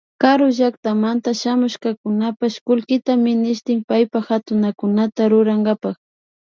Karu llakatamanta shamushkakunapash kullkita ministin paypa hatunakunata rurankapak